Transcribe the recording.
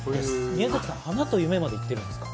宮崎さん、『花とゆめ』までいっているんですか？